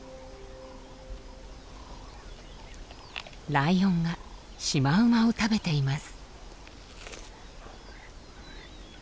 ライオンがシマウマを食べています。